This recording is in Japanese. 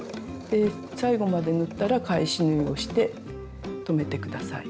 で最後まで縫ったら返し縫いをして止めて下さい。